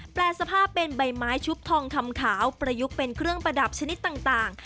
แปรสภาพเป็นใบไม้ชุบทองคำขาวประยุกต์เป็นเครื่องประดับชนิดต่าง